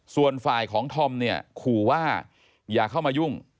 ส่วนฝ่ายของธอมเนี่ยขู่ว่าอย่าเข้ามายุ่ง